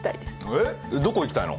えっどこ行きたいの？